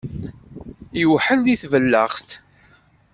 Iwḥel di tballaɣt.